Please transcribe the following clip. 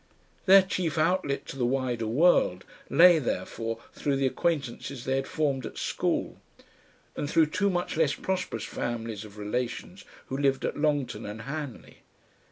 Their chief outlet to the wider world lay therefore through the acquaintances they had formed at school, and through two much less prosperous families of relations who lived at Longton and Hanley.